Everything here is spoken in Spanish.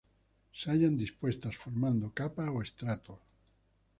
Se hallan dispuestas formando capas o estratos.